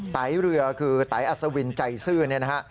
ไตเรือคือไตอัศวินใจซื่อเนี่ยนะฮะ